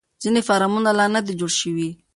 ځینې فارمونه لا نه دي جوړ شوي.